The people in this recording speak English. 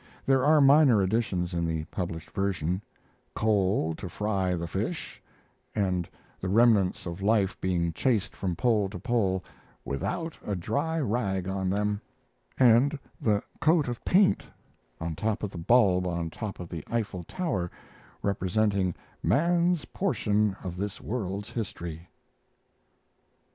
There are minor additions in the published version: "coal to fry the fish"; and the remnants of life being chased from pole to pole "without a dry rag on them,"; and the "coat of paint" on top of the bulb on top the Eiffel Tower representing "man's portion of this world's history."